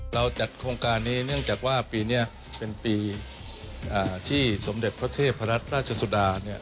จัดโครงการนี้เนื่องจากว่าปีนี้เป็นปีที่สมเด็จพระเทพรัชราชสุดาเนี่ย